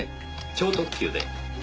超特急で。